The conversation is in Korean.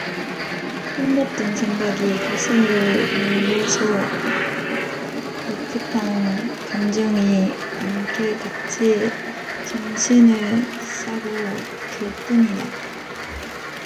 꿈 같은 생각이 가슴을 눌러서 느긋한 감정이 안개 같이 전신을 싸고 돌 뿐이다.